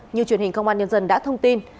như truyền hình công an nhân dân đã thông tin